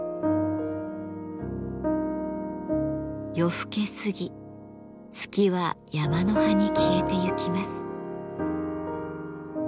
夜更け過ぎ月は山の端に消えてゆきます。